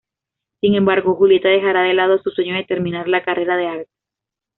Sin embargo, Julieta dejará de lado su sueño de terminar la carrera de arte.